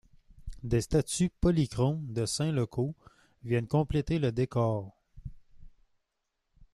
Des statues polychromes de saints locaux viennent compléter le décor.